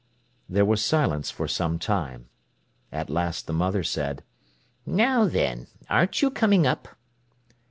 There was silence for some time. At last the mother said: "Now then! aren't you coming up?"